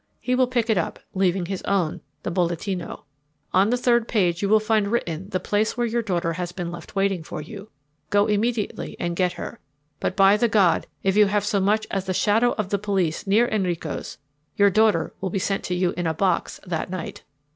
He will pick it up, leaving his own, the Bolletino. On the third page you will find written the place where your daughter has been left waiting for you. Go immediately and get her. But, by the God, if you have so much as the shadow of the police near Enrico's your daughter will be sent to you in a box that night.